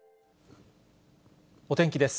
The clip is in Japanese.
お天気です。